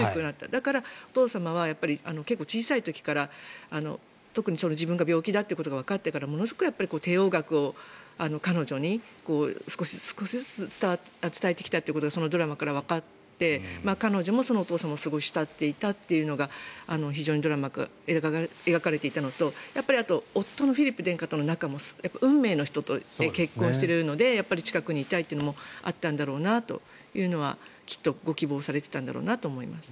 だから、お父様は小さい時から特に自分が病気だということがわかってからものすごく帝王学を彼女に少しずつ少しずつ伝えてきたということがそのドラマからわかって彼女もお父さんをすごい慕っていたというのが非常にドラマで描かれていたのとやっぱりあと夫のフィリップ殿下との仲も運命の人と結婚しているので近くにいたいというのもあったんだろうなというのはきっとご希望されていたんだろうなと思います。